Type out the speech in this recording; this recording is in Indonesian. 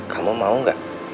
kamu mau nggak terima tawaran om